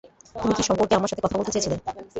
তুমি কী সম্পর্কে আমার সাথে কথা বলতে চেয়েছিলে?